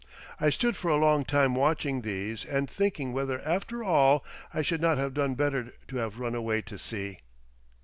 I stood for a long time watching these and thinking whether after all I should not have done better to have run away to sea.